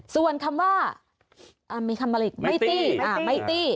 ส่วนคำว่าไม่ตี้